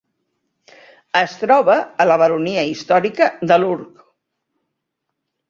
Es troba a la baronia històrica de Lurg.